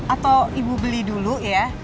atau ibu beli dulu ya